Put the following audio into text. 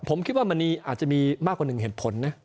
ผมคิดว่ามันอาจจะมีมากกว่าหนึ่งเหตุผลนะ